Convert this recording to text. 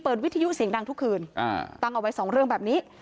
วิทยุเสียงดังทุกคืนตั้งเอาไว้สองเรื่องแบบนี้